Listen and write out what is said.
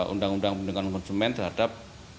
undang undang perlindungan konsumen terhadap